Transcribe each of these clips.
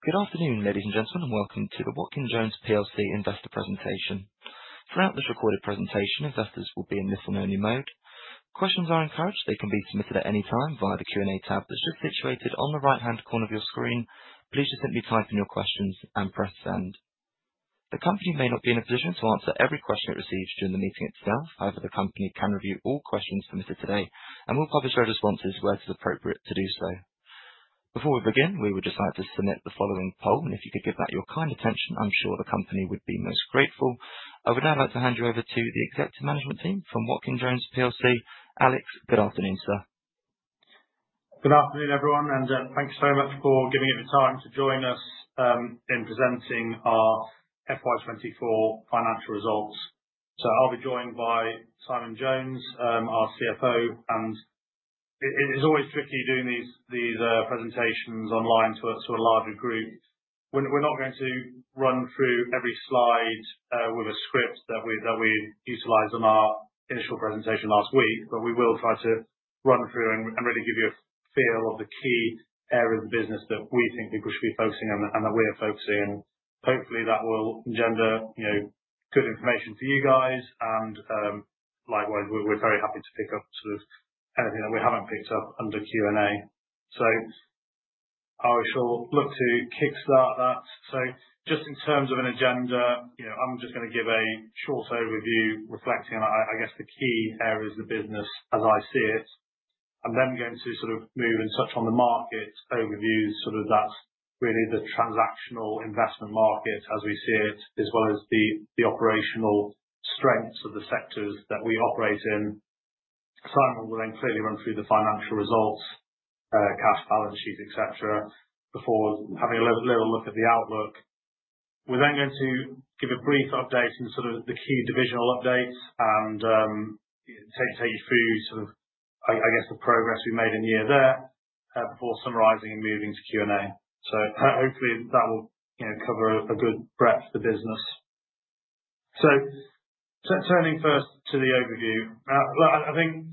Good afternoon, ladies and gentlemen, and welcome to the Watkin Jones PLC investor presentation. Throughout this recorded presentation, investors will be in listen-only mode. Questions are encouraged. They can be submitted at any time via the Q&A tab that's just situated on the right-hand corner of your screen. Please just simply type in your questions and press send. The company may not be in a position to answer every question it receives during the meeting itself. However, the company can review all questions submitted today and will publish their responses where it is appropriate to do so. Before we begin, we would just like to submit the following poll, and if you could give that your kind attention, I'm sure the company would be most grateful. I would now like to hand you over to the executive management team from Watkin Jones PLC. Alex, good afternoon, sir. Good afternoon, everyone, and thanks so much for giving it your time to join us in presenting our FY24 financial results. So I'll be joined by Simon Jones, our CFO, and it is always tricky doing these presentations online to a larger group. We're not going to run through every slide with a script that we utilized on our initial presentation last week, but we will try to run through and really give you a feel of the key areas of business that we think people should be focusing on and that we are focusing on. Hopefully, that will engender good information for you guys, and likewise, we're very happy to pick up sort of anything that we haven't picked up under Q&A. So I shall look to kickstart that. So just in terms of an agenda, I'm just going to give a short overview reflecting on, I guess, the key areas of business as I see it, and then going to sort of move and touch on the market overviews, sort of that really the transactional investment market as we see it, as well as the operational strengths of the sectors that we operate in. Simon will then clearly run through the financial results, cash balance sheet, etc., before having a little look at the outlook. We're then going to give a brief update in sort of the key divisional updates and take you through sort of, I guess, the progress we made in the year there before summarising and moving to Q&A. So hopefully, that will cover a good breadth of the business. Turning first to the overview, I think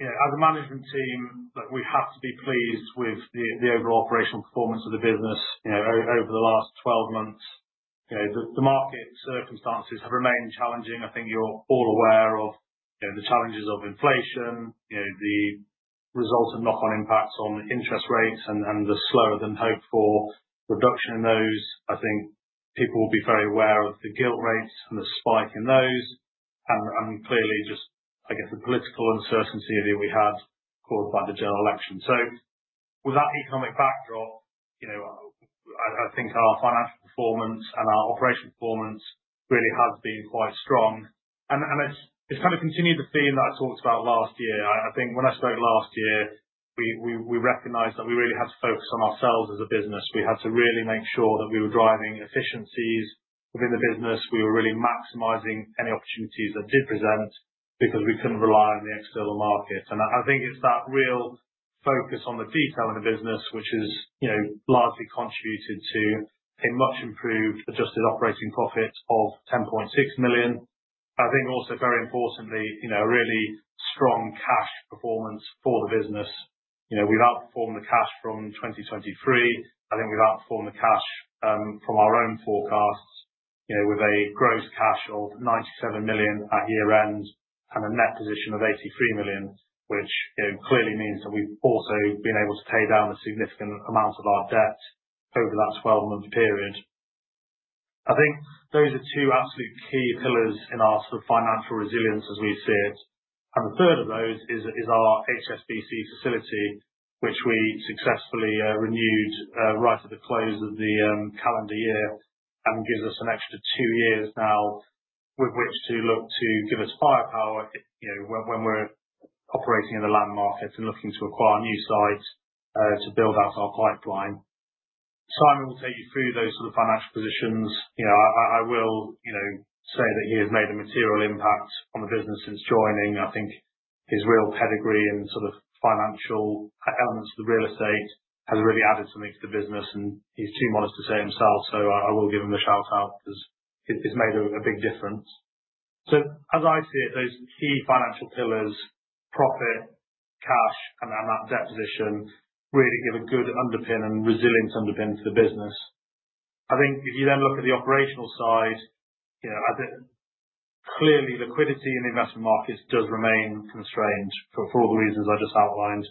as a management team, we have to be pleased with the overall operational performance of the business over the last 12 months. The market circumstances have remained challenging. I think you're all aware of the challenges of inflation, the resultant knock-on impacts on interest rates, and the slower-than-hoped-for reduction in those. I think people will be very aware of the gilt rates and the spike in those, and clearly just, I guess, the political uncertainty that we had caused by the general election. With that economic backdrop, I think our financial performance and our operational performance really has been quite strong. It's kind of continued the theme that I talked about last year. I think when I spoke last year, we recognized that we really had to focus on ourselves as a business. We had to really make sure that we were driving efficiencies within the business. We were really maximizing any opportunities that did present because we couldn't rely on the external markets. And I think it's that real focus on the detail in the business, which has largely contributed to a much-improved Adjusted Operating Profit of 10.6 million. I think also, very importantly, a really strong cash performance for the business. We've outperformed the cash from 2023. I think we've outperformed the cash from our own forecasts with a gross cash of 97 million at year-end and a net position of 83 million, which clearly means that we've also been able to pay down a significant amount of our debt over that 12-month period. I think those are two absolute key pillars in our sort of financial resilience as we see it. The third of those is our HSBC facility, which we successfully renewed right at the close of the calendar year and gives us an extra two years now with which to look to give us firepower when we're operating in the land markets and looking to acquire new sites to build out our pipeline. Simon will take you through those sort of financial positions. I will say that he has made a material impact on the business since joining. I think his real pedigree and sort of financial elements of the real estate has really added something to the business, and he's too modest to say himself, so I will give him a shout-out because it's made a big difference. As I see it, those key financial pillars, profit, cash, and that debt position really give a good underpin and resilient underpin to the business. I think if you then look at the operational side, clearly liquidity in the investment markets does remain constrained for all the reasons I just outlined.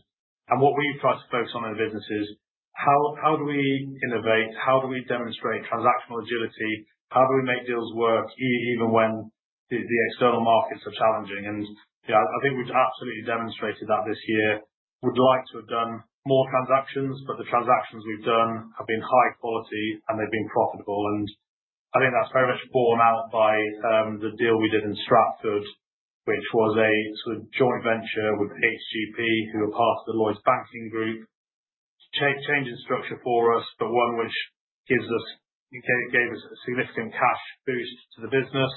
And what we've tried to focus on in the business is how do we innovate? How do we demonstrate transactional agility? How do we make deals work even when the external markets are challenging? And I think we've absolutely demonstrated that this year. We'd like to have done more transactions, but the transactions we've done have been high quality, and they've been profitable. And I think that's very much borne out by the deal we did in Stratford, which was a sort of joint venture with HGP, who are part of the Lloyds Banking Group, changing structure for us, but one which gave us a significant cash boost to the business.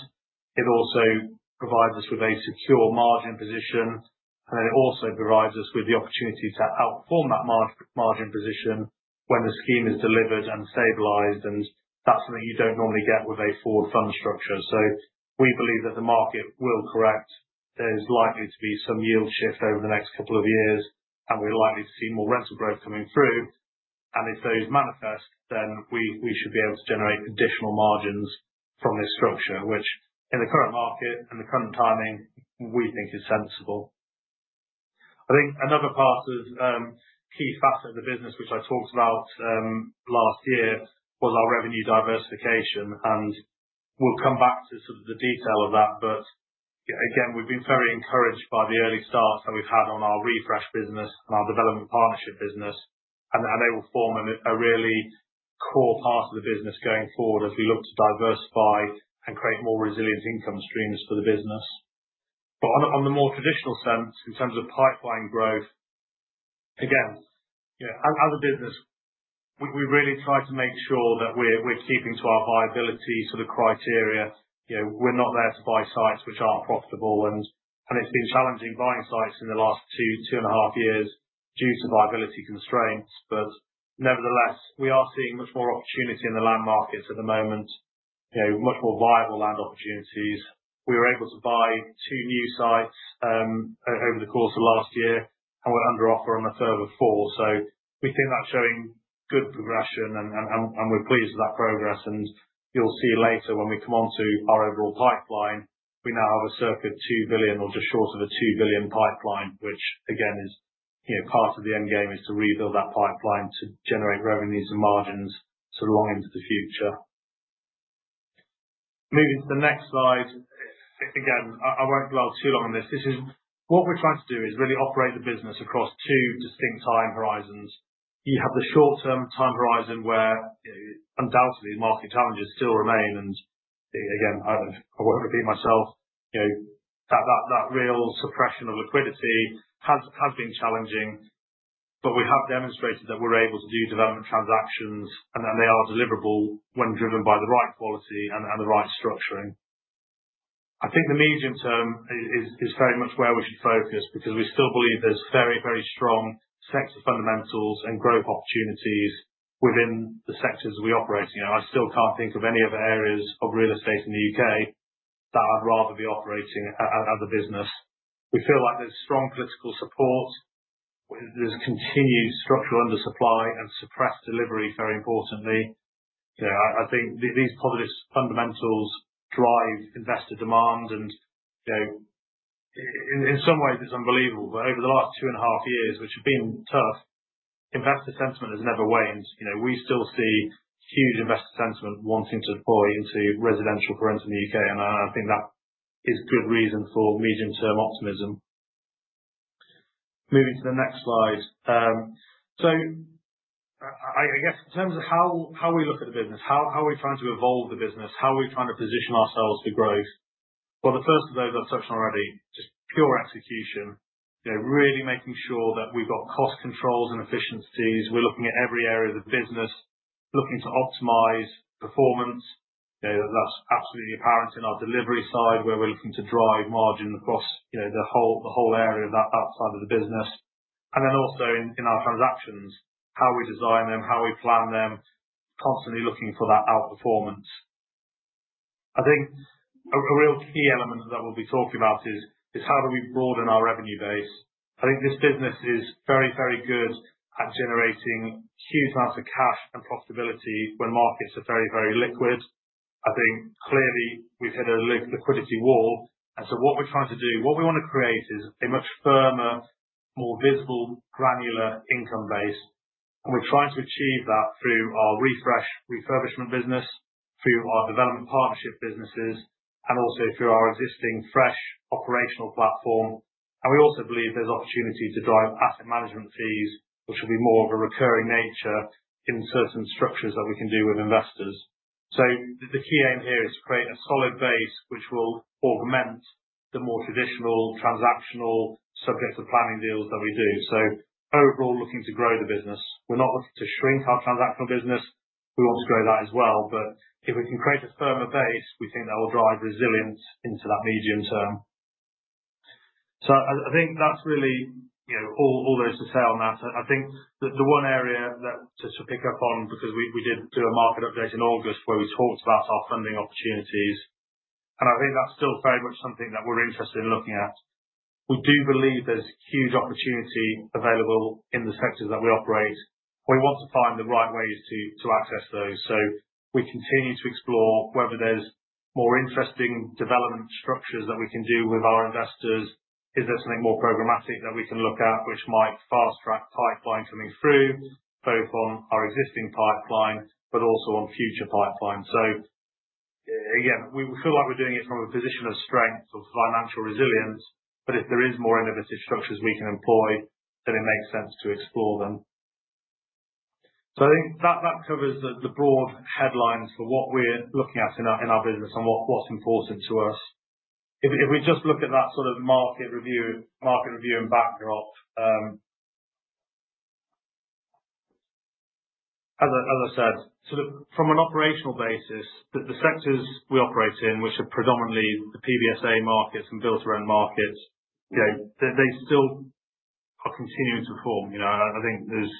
It also provides us with a secure margin position, and then it also provides us with the opportunity to outperform that margin position when the scheme is delivered and stabilized, and that's something you don't normally get with a forward fund structure, so we believe that the market will correct. There's likely to be some yield shift over the next couple of years, and we're likely to see more rental growth coming through, and if those manifest, then we should be able to generate additional margins from this structure, which in the current market and the current timing, we think is sensible. I think another key facet of the business, which I talked about last year, was our revenue diversification, and we'll come back to sort of the detail of that. But again, we've been very encouraged by the early starts that we've had on our refresh business and our development partnership business, and they will form a really core part of the business going forward as we look to diversify and create more resilient income streams for the business. But on the more traditional sense, in terms of pipeline growth, again, as a business, we really try to make sure that we're keeping to our viability sort of criteria. We're not there to buy sites which aren't profitable. And it's been challenging buying sites in the last two, two and a half years due to viability constraints. But nevertheless, we are seeing much more opportunity in the land markets at the moment, much more viable land opportunities. We were able to buy two new sites over the course of last year, and we're under offer on a further four. So we think that's showing good progression, and we're pleased with that progress. And you'll see later when we come on to our overall pipeline, we now have a circa 2 billion or just short of a 2 billion pipeline, which again is part of the end game is to rebuild that pipeline to generate revenues and margins sort of long into the future. Moving to the next slide. Again, I won't dwell too long on this. What we're trying to do is really operate the business across two distinct time horizons. You have the short-term time horizon where undoubtedly market challenges still remain. And again, I won't repeat myself. That real suppression of liquidity has been challenging, but we have demonstrated that we're able to do development transactions, and they are deliverable when driven by the right quality and the right structuring. I think the medium term is very much where we should focus because we still believe there's very, very strong sector fundamentals and growth opportunities within the sectors we operate in. I still can't think of any other areas of real estate in the U.K. that I'd rather be operating as a business. We feel like there's strong political support. There's continued structural undersupply and suppressed delivery, very importantly. I think these positive fundamentals drive investor demand. And in some ways, it's unbelievable. But over the last two and a half years, which have been tough, investor sentiment has never waned. We still see huge investor sentiment wanting to deploy into residential rents in the U.K. And I think that is good reason for medium-term optimism. Moving to the next slide. I guess in terms of how we look at the business, how are we trying to evolve the business? How are we trying to position ourselves for growth? Well, the first of those I've touched on already, just pure execution, really making sure that we've got cost controls and efficiencies. We're looking at every area of the business, looking to optimize performance. That's absolutely apparent in our delivery side where we're looking to drive margin across the whole area of that side of the business. And then also in our transactions, how we design them, how we plan them, constantly looking for that outperformance. I think a real key element that we'll be talking about is how do we broaden our revenue base? I think this business is very, very good at generating huge amounts of cash and profitability when markets are very, very liquid. I think clearly we've hit a liquidity wall, and so what we're trying to do, what we want to create is a much firmer, more visible, granular income base, and we're trying to achieve that through our Refresh refurbishment business, through our development partnership businesses, and also through our existing Fresh operational platform, and we also believe there's opportunity to drive asset management fees, which will be more of a recurring nature in certain structures that we can do with investors, so the key aim here is to create a solid base which will augment the more traditional transactional subject to planning deals that we do, so overall, looking to grow the business. We're not looking to shrink our transactional business. We want to grow that as well, but if we can create a firmer base, we think that will drive resilience into that medium term. So I think that's really all there is to say on that. I think the one area to pick up on, because we did do a market update in August where we talked about our funding opportunities, and I think that's still very much something that we're interested in looking at. We do believe there's huge opportunity available in the sectors that we operate. We want to find the right ways to access those. So we continue to explore whether there's more interesting development structures that we can do with our investors. Is there something more programmatic that we can look at which might fast-track pipeline coming through, both on our existing pipeline, but also on future pipeline? So again, we feel like we're doing it from a position of strength of financial resilience, but if there is more innovative structures we can employ, then it makes sense to explore them. So I think that covers the broad headlines for what we're looking at in our business and what's important to us. If we just look at that sort of market review and backdrop, as I said, sort of from an operational basis, the sectors we operate in, which are predominantly the PBSA markets and build-to-rent markets, they still are continuing to perform. I think there's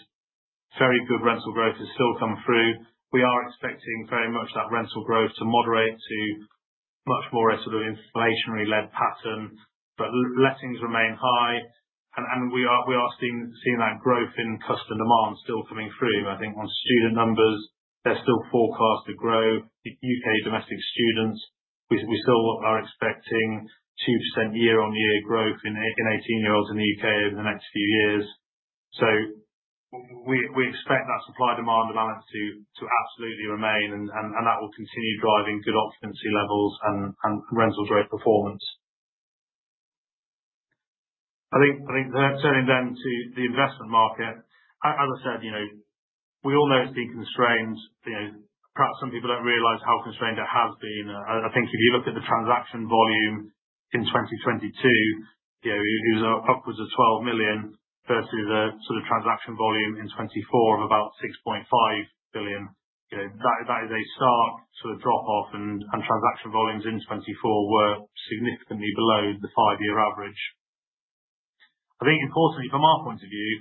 very good rental growth has still come through. We are expecting very much that rental growth to moderate to much more a sort of inflationary-led pattern, but lettings remain high. And we are seeing that growth in customer demand still coming through. I think on student numbers, they're still forecast to grow. UK domestic students, we still are expecting 2% year-on-year growth in 18-year-olds in the U.K. over the next few years. So we expect that supply-demand balance to absolutely remain, and that will continue driving good occupancy levels and rental growth performance. I think turning then to the investment market, as I said, we all know it's been constrained. Perhaps some people don't realize how constrained it has been. I think if you look at the transaction volume in 2022, it was upwards of 12 billion versus a sort of transaction volume in 2024 of about 6.5 billion. That is a stark sort of drop-off, and transaction volumes in 2024 were significantly below the five-year average. I think importantly, from our point of view,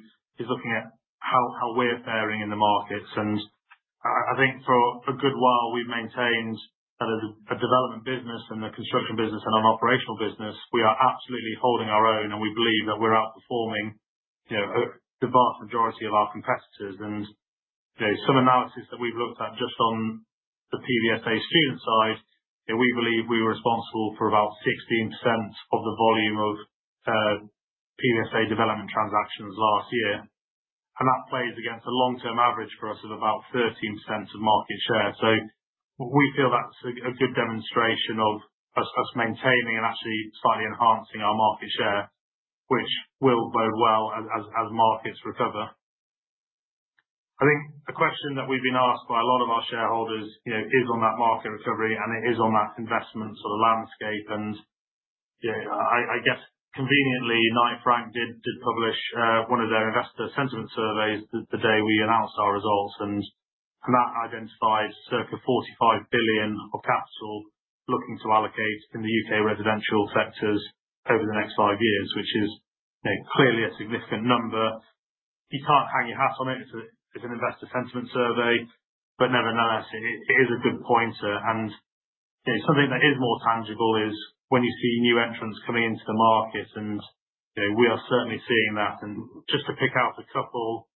is looking at how we're faring in the markets. And I think for a good while, we've maintained that as a development business and a construction business and an operational business, we are absolutely holding our own, and we believe that we're outperforming the vast majority of our competitors. And some analysis that we've looked at just on the PBSA student side, we believe we were responsible for about 16% of the volume of PBSA development transactions last year. And that plays against a long-term average for us of about 13% of market share. So we feel that's a good demonstration of us maintaining and actually slightly enhancing our market share, which will bode well as markets recover. I think a question that we've been asked by a lot of our shareholders is on that market recovery, and it is on that investment sort of landscape. I guess conveniently, Knight Frank did publish one of their investor sentiment surveys the day we announced our results. And that identified circa 45 billion of capital looking to allocate in the U.K. residential sectors over the next five years, which is clearly a significant number. You can't hang your hat on it. It's an investor sentiment survey, but nevertheless, it is a good pointer. And something that is more tangible is when you see new entrants coming into the market. And we are certainly seeing that. And just to pick out a couple,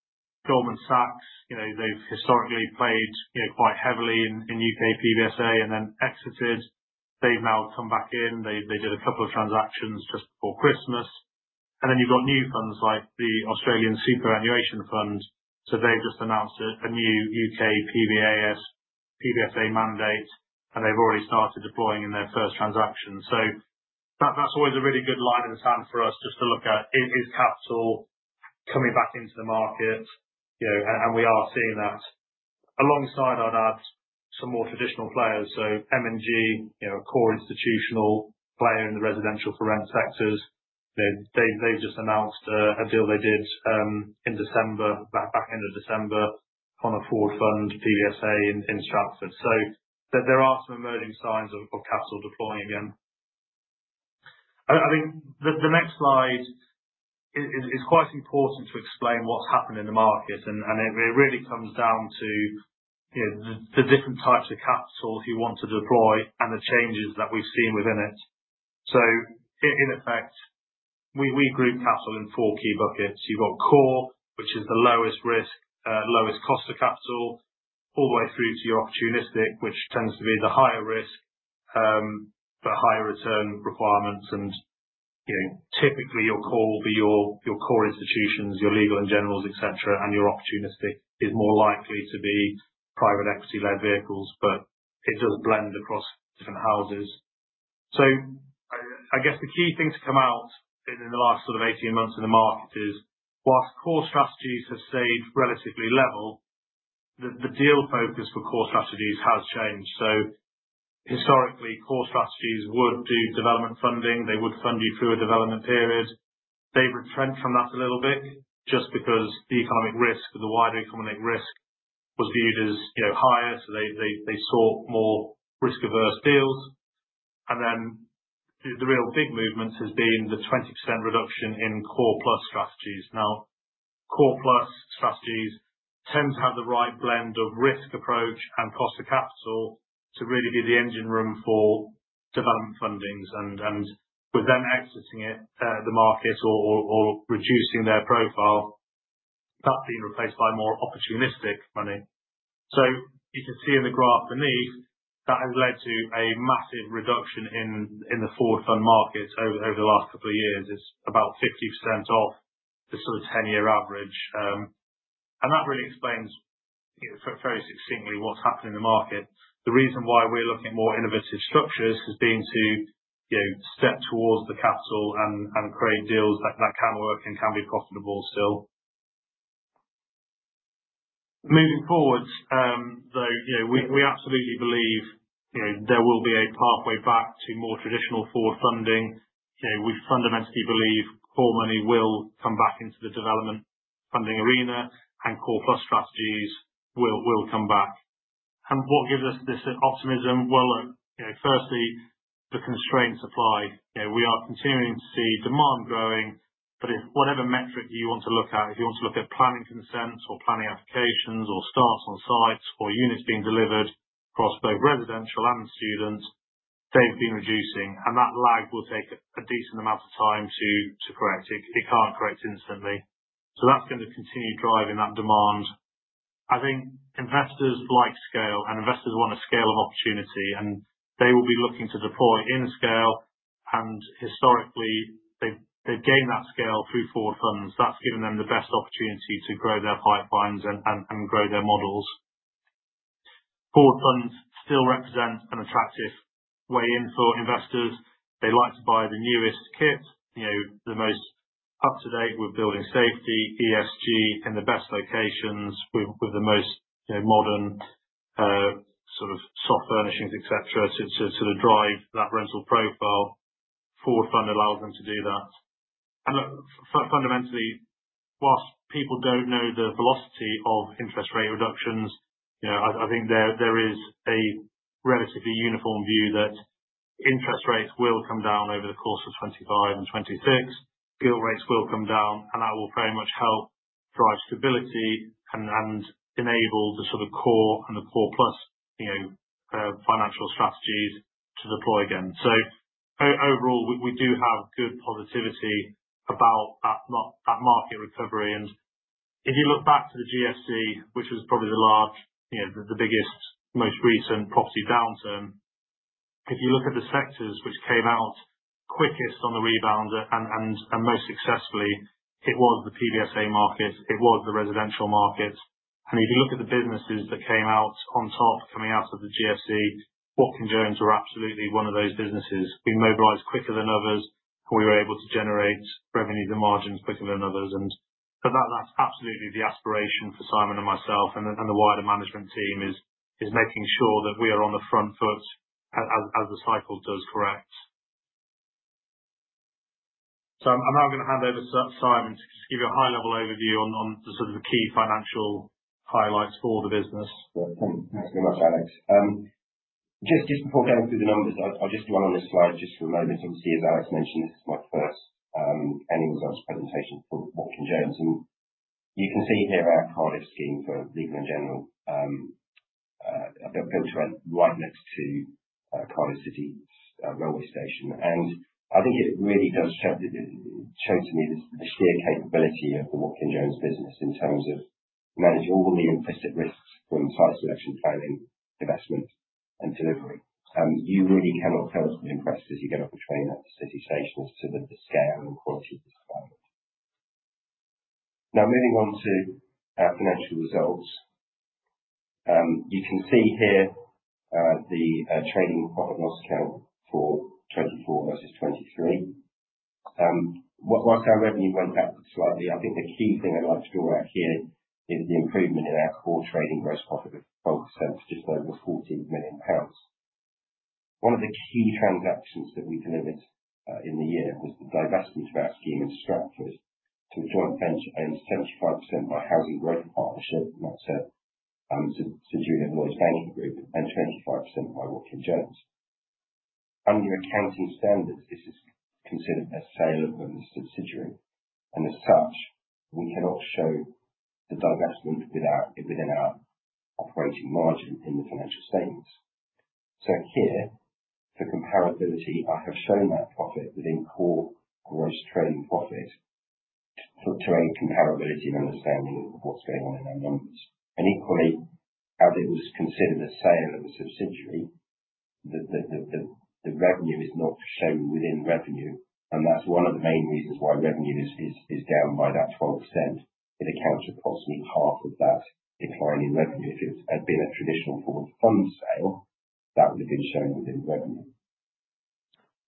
Goldman Sachs, they've historically played quite heavily in U.K. PBSA and then exited. They've now come back in. They did a couple of transactions just before Christmas. And then you've got new funds like the AustralianSuper. They've just announced a new U.K. PBSA mandate, and they've already started deploying in their first transaction. That's always a really good line in the sand for us just to look at is capital coming back into the market? We are seeing that alongside, I'd add, some more traditional players. M&G, a core institutional player in the residential for rent sectors, they've just announced a deal they did in December, back end of December, on a forward fund, PBSA in Stratford. There are some emerging signs of capital deploying again. I think the next slide is quite important to explain what's happened in the market. It really comes down to the different types of capital you want to deploy and the changes that we've seen within it. In effect, we group capital in four key buckets. You've got core, which is the lowest risk, lowest cost of capital, all the way through to your opportunistic, which tends to be the higher risk, but higher return requirements. And typically, your core will be your core institutions, your Legal & General, etc., and your opportunistic is more likely to be private equity-led vehicles, but it does blend across different houses. So I guess the key thing to come out in the last sort of 18 months in the market is, whilst core strategies have stayed relatively level, the deal focus for core strategies has changed. So historically, core strategies would do development funding. They would fund you through a development period. They've retreated from that a little bit just because the economic risk, the wider economic risk was viewed as higher. So they sought more risk-averse deals. And then the real big movement has been the 20% reduction in core plus strategies. Now, core plus strategies tend to have the right blend of risk approach and cost of capital to really be the engine room for development fundings. And with them exiting the market or reducing their profile, that's been replaced by more opportunistic money. So you can see in the graph beneath that has led to a massive reduction in the Forward Fund market over the last couple of years. It's about 50% off the sort of 10-year average. And that really explains very succinctly what's happened in the market. The reason why we're looking at more innovative structures has been to step towards the capital and create deals that can work and can be profitable still. Moving forward, though, we absolutely believe there will be a pathway back to more traditional forward funding. We fundamentally believe core money will come back into the development funding arena, and core plus strategies will come back, and what gives us this optimism? Well, firstly, the constraints apply. We are continuing to see demand growing, but whatever metric you want to look at, if you want to look at planning consents or planning applications or starts on sites or units being delivered across both residential and students, they've been reducing, and that lag will take a decent amount of time to correct. It can't correct instantly, so that's going to continue driving that demand. I think investors like scale, and investors want a scale of opportunity, and they will be looking to deploy in scale, and historically, they've gained that scale through forward funds. That's given them the best opportunity to grow their pipelines and grow their models. Forward funds still represent an attractive way in for investors. They like to buy the newest kit, the most up-to-date with building safety, ESG in the best locations with the most modern sort of soft furnishings, etc., to sort of drive that rental profile. Forward fund allows them to do that, and fundamentally, while people don't know the velocity of interest rate reductions, I think there is a relatively uniform view that interest rates will come down over the course of 2025 and 2026. Gilt rates will come down, and that will very much help drive stability and enable the sort of core and the core plus financial strategies to deploy again, so overall, we do have good positivity about that market recovery. And if you look back to the GFC, which was probably the large, the biggest, most recent property downturn, if you look at the sectors which came out quickest on the rebound and most successfully, it was the PBSA market. It was the residential market. And if you look at the businesses that came out on top coming out of the GFC, Watkin Jones were absolutely one of those businesses. We mobilized quicker than others, and we were able to generate revenues and margins quicker than others. And that's absolutely the aspiration for Simon and myself and the wider management team is making sure that we are on the front foot as the cycle does correct. So I'm now going to hand over to Simon to give you a high-level overview on the sort of key financial highlights for the business. Thanks very much, Alex. Just before going through the numbers, I'll just do one on this slide just for a moment. Obviously, as Alex mentioned, this is my first annual results presentation for Watkin Jones. You can see here our Cardiff scheme for Legal & General built right next to Cardiff Central Railway Station. I think it really does show to me the sheer capability of the Watkin Jones business in terms of managing all the implicit risks from site selection, planning, investment, and delivery. You really cannot tell us what impresses as you get off the train at the city station as to the scale and quality of this development. Now, moving on to our financial results, you can see here the trading profit and loss account for 2024 versus 2023. While our revenue went backwards slightly, I think the key thing I'd like to draw out here is the improvement in our core trading gross profit of 12% to just over 14 million pounds. One of the key transactions that we delivered in the year was the disposal of our scheme in Stratford to a joint venture owned 75% by Housing Growth Partnership, that's a subsidiary of Lloyds Banking Group, and 25% by Watkin Jones. Under accounting standards, this is considered a sale of a subsidiary, and as such, we cannot show the divestment within our operating margin in the financial statements, so here, for comparability, I have shown that profit within core gross trading profit to aid comparability and understanding of what's going on in our numbers. And equally, as it was considered a sale of a subsidiary, the revenue is not shown within revenue. That's one of the main reasons why revenue is down by that 12%. It accounts for approximately half of that decline in revenue. If it had been a traditional forward fund sale, that would have been shown within revenue.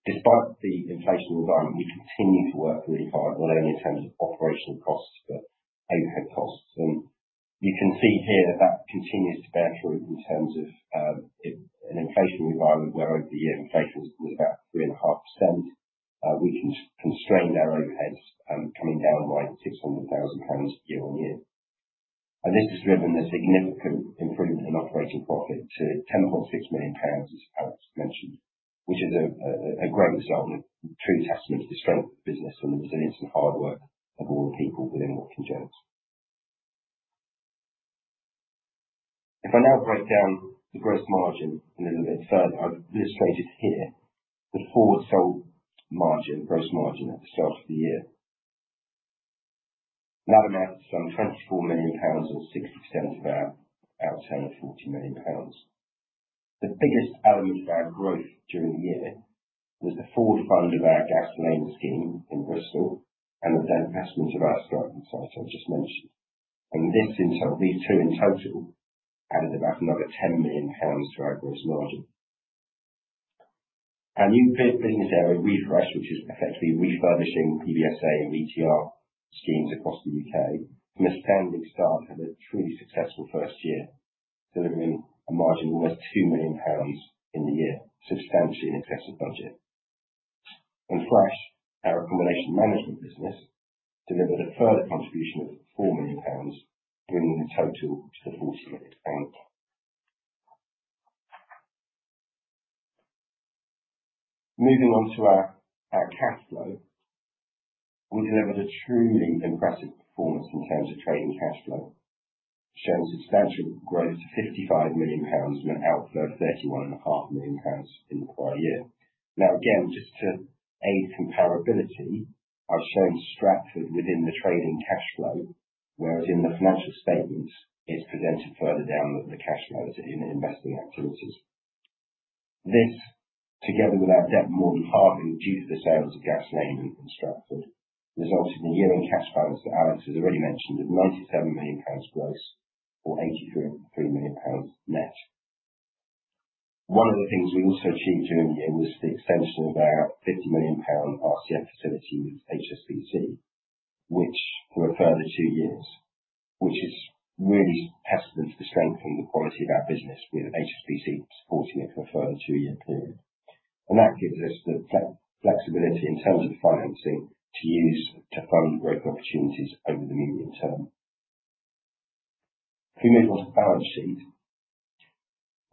Despite the inflationary environment, we continue to work really hard, not only in terms of operational costs, but overhead costs. And you can see here that continues to bear fruit in terms of an inflationary environment where over the year, inflation was about 3.5%. We can constrain our overheads coming down by 600,000 pounds year-on-year. And this has driven a significant improvement in operating profit to 10.6 million pounds, as Alex mentioned, which is a great result and a true testament to the strength of the business and the resilience and hard work of all the people within Watkin Jones. If I now break down the gross margin a little bit further, I've illustrated here the forward sold margin, gross margin at the start of the year. That amounts to 24 million pounds and 60% of our outstanding 40 million pounds. The biggest element of our growth during the year was the forward fund of our Gas Lane scheme in Bristol and the divestment of our Stratford site I just mentioned. And these two in total added about another 10 million pounds to our gross margin. Our new business area Refresh, which is effectively refurbishing PBSA and BTR schemes across the U.K., from a standing start had a truly successful first year, delivering a margin of almost 2 million pounds in the year, substantially in excess of budget. And Fresh, our accommodation management business delivered a further contribution of 4 million pounds, bringing the total to the 40 million pounds. Moving on to our cash flow, we delivered a truly impressive performance in terms of trading cash flow, showing substantial growth to GBP 55 million and an outflow of GBP 31.5 million in the prior year. Now, again, just to aid comparability, I've shown Stratford within the trading cash flow, whereas in the financial statements, it's presented further down the cash flow in investing activities. This, together with our debt more than halving due to the sales of Gas Lane in Stratford, resulted in a year-end cash balance that Alex has already mentioned of 97 million pounds gross or 83 million pounds net. One of the things we also achieved during the year was the extension of our 50 million pound RCF facility with HSBC, which for a further two years, which is really testament to the strength and the quality of our business with HSBC supporting it for a further two-year period. And that gives us the flexibility in terms of financing to use to fund growth opportunities over the medium term. If we move on to the balance sheet,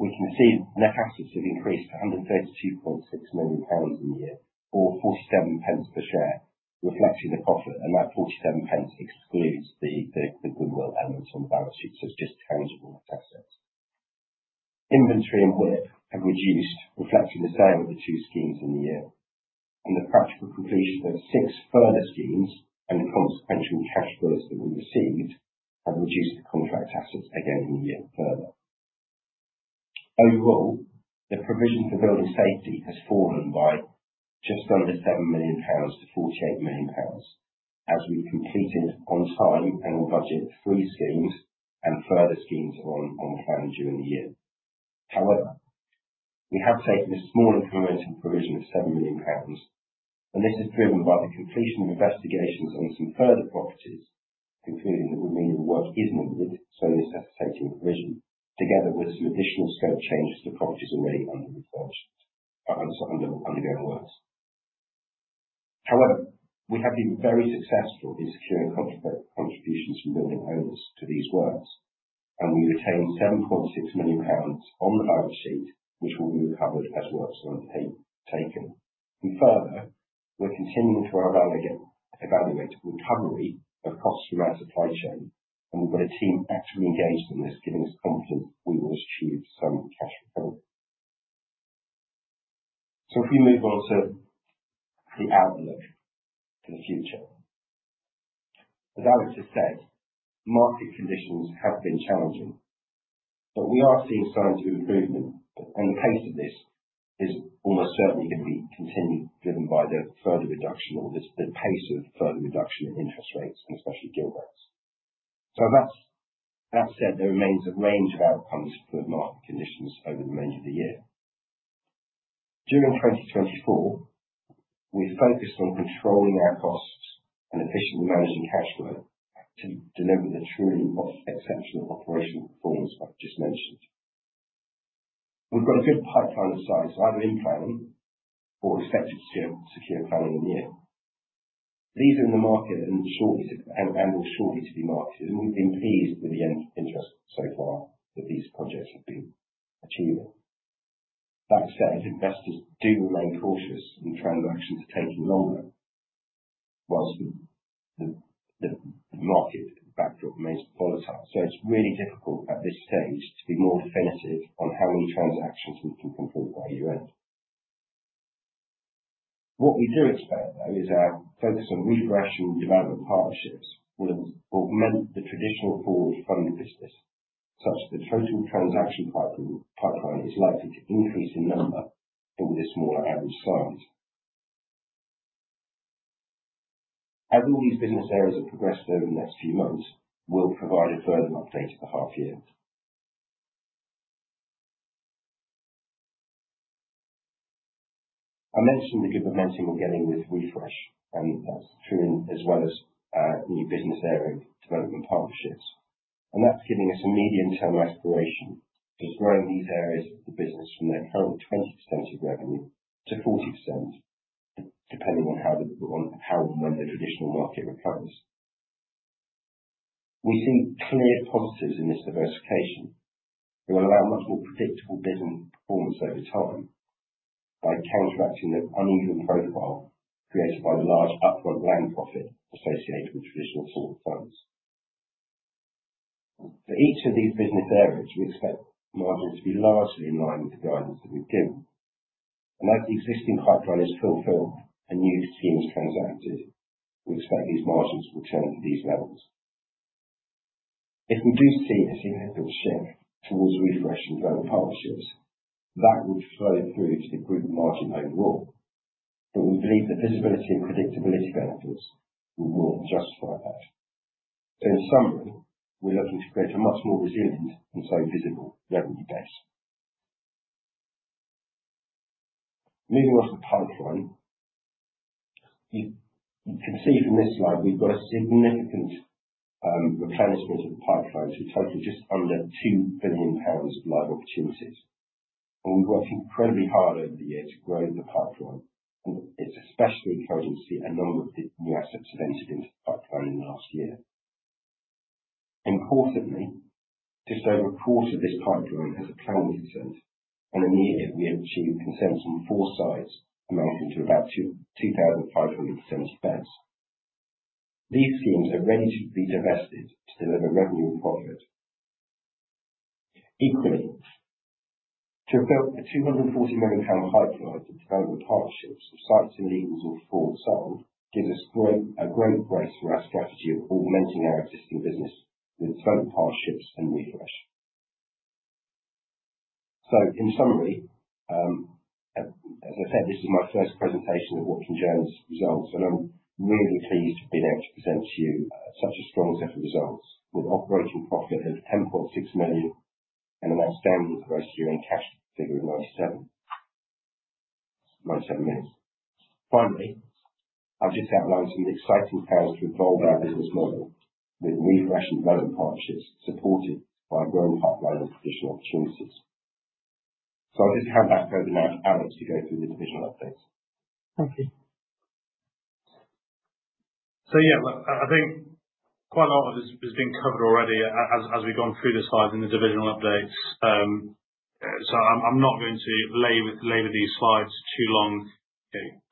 we can see net assets have increased to 132.6 million pounds in a year or 0.47 per share, reflecting the profit. And that 0.47 excludes the goodwill elements on the balance sheet. So it's just tangible net assets. Inventory and WIP have reduced, reflecting the sale of the two schemes in the year. And the practical completion of six further schemes and the consequential cash flows that we received have reduced the contract assets again in the year further. Overall, the provision for building safety has fallen by just under 7 million-48 million pounds as we've completed on time and on budget three schemes and further schemes on plan during the year. However, we have taken a small incremental provision of 7 million pounds, and this is driven by the completion of investigations on some further properties, including that remedial work is needed, so necessitating provision, together with some additional scope changes to properties already under refurbishment or undergoing works. However, we have been very successful in securing contributions from building owners to these works, and we retained 7.6 million pounds on the balance sheet, which will be recovered as works are undertaken. And further, we're continuing to evaluate recovery of costs from our supply chain, and we've got a team actively engaged in this, giving us confidence we will achieve some cash recovery. So if we move on to the outlook for the future, as Alex has said, market conditions have been challenging, but we are seeing signs of improvement. And the pace of this is almost certainly going to be continued, driven by the further reduction or the pace of further reduction in interest rates and especially gilt rates. So, that said, there remains a range of outcomes for market conditions over the remainder of the year. During 2024, we've focused on controlling our costs and efficiently managing cash flow to deliver the truly exceptional operational performance I've just mentioned. We've got a good pipeline of size, either in planning or expected to secure planning in the year. These are in the market and will shortly to be marketed. And we've been pleased with the interest so far that these projects have been achieving. That said, investors do remain cautious, with transactions taking longer while the market backdrop remains volatile. So it's really difficult at this stage to be more definitive on how many transactions we can complete by year-end. What we do expect, though, is our focus on refresh and development partnerships will augment the traditional forward fund business, such that the total transaction pipeline is likely to increase in number, but with a smaller average size. As all these business areas have progressed over the next few months, we'll provide a further update at the half year. I mentioned the good momentum we're getting with refresh, and that's true as well as new business area development partnerships, and that's giving us a medium-term aspiration to grow these areas of the business from their current 20% of revenue to 40%, depending on how and when the traditional market recovers. We see clear positives in this diversification. It will allow much more predictable business performance over time by counteracting the uneven profile created by the large upfront land profit associated with traditional forward funds. For each of these business areas, we expect margins to be largely in line with the guidance that we've given. And as the existing pipeline is fulfilled and new schemes transacted, we expect these margins will turn to these levels. If we do see a significant shift towards refresh and growing partnerships, that would flow through to the group margin overall. But we believe that visibility and predictability benefits will more than justify that. So in summary, we're looking to create a much more resilient and so visible revenue base. Moving on to the pipeline, you can see from this slide we've got a significant replenishment of the pipeline to a total of just under 2 billion pounds of live opportunities. We've worked incredibly hard over the year to grow the pipeline. It's especially encouraging to see a number of new assets have entered into the pipeline in the last year. Importantly, just over a quarter of this pipeline has a planning consent, and in the year, we have achieved consent on four sites amounting to about 257 million. These schemes are ready to be divested to deliver revenue and profit. Equally, to have built a 240 million pound pipeline with development partnerships of sites and legals or forward sold gives us a great basis for our strategy of augmenting our existing business with development partnerships and Refresh. So in summary, as I said, this is my first presentation of Watkin Jones results, and I'm really pleased to have been able to present to you such a strong set of results with an operating profit of 10.6 million and an outstanding gross year-end cash figure of 97 million. Finally, I've just outlined some of the exciting powers to evolve our business model with Refresh and development partnerships supported by a growing pipeline of traditional opportunities. So I'll just hand back over now to Alex to go through the divisional updates. Thank you. So yeah, I think quite a lot of this has been covered already as we've gone through the slides and the divisional updates. So I'm not going to labor these slides too long.